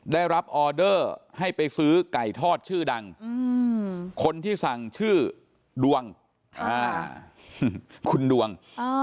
ได้รับออเดอร์ให้ไปซื้อไก่ทอดชื่อดังคนที่สั่งชื่อดวงคุณดวง